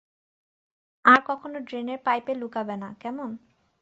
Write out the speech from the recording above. আর কখনো ড্রেনের পাইপে লুকাবে না, কেমন?